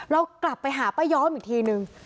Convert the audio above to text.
เรากลับไปหาป้าย้อมอีกทีนึง